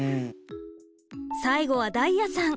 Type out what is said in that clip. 最後はだいやさん。